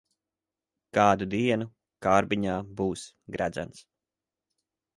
Kādu dienu kārbiņā būs gredzens.